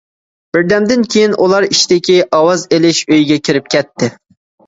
بىردەمدىن كېيىن ئۇلار، ئىچىدىكى ئاۋاز ئېلىش ئۆيىگە كىرىپ كەتتى.